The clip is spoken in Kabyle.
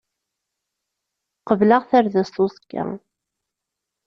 Qebleɣ tardast uẓekka.